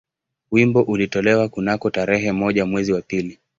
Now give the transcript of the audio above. Wimbo ulitolewa kunako tarehe moja mwezi wa pili